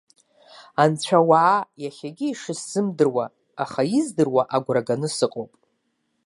Анцәа-ауаа иахьагьы ишысзымдыруа, аха издыруа агәра ганы сыҟоуп.